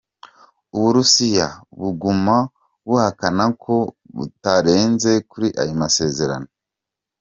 Uburusiya buguma buhakana ko butarenze kuri ayo masezerano.